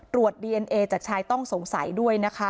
ตรวจดีเอนเอจากชายต้องสงสัยด้วยนะคะ